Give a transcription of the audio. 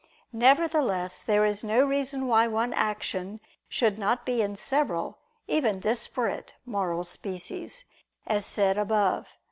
Nevertheless there is no reason why one action should not be in several, even disparate, moral species, as said above (A.